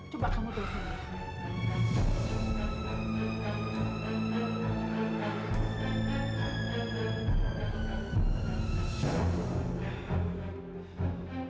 coba kamu dukung